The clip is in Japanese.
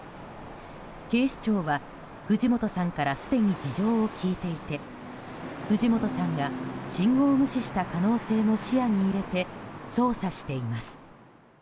警視庁は藤本さんから、すでに事情を聴いていて藤本さんが信号無視した可能性も視野に入れて捜査しています。